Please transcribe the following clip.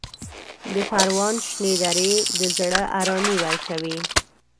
د پروان شنې درې د زړه ارامي ورکوي.